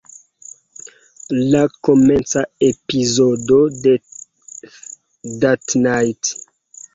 La komenca epizodo de "That Night!